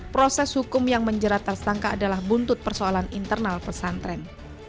proses hukum yang menjerat tersangka adalah buntut persoalan internal pesantren